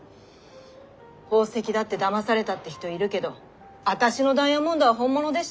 宝石だってだまされたって人いるけど私のダイヤモンドは本物でしたよ。